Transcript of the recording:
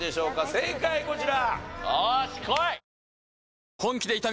正解こちら。